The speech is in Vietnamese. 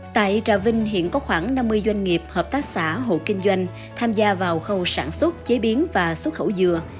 tại trà vinh hiện có khoảng năm mươi doanh nghiệp hợp tác xã hộ kinh doanh tham gia vào khâu sản xuất chế biến và xuất khẩu dừa